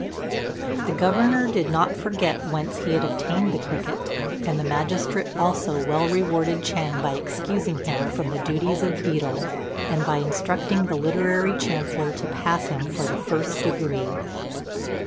The Governor did not forget whence he had obtained the cricket, and the magistrate also well rewarded Ch'êng by excusing him from the duties of beadle, and by instructing the Literary Chancellor to pass him for the first degree.